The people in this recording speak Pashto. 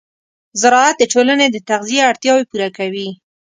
زراعت د ټولنې د تغذیې اړتیاوې پوره کوي.